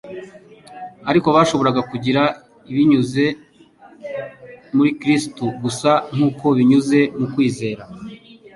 ariko bashoboraga gukira binyuze muri Kristo gusa nk'uko binyuze mu kwizera